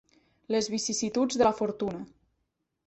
Les vicissituds de la fortuna.